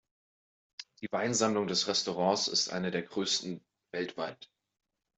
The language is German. Die Weinsammlung des Restaurants ist eine der größten weltweit.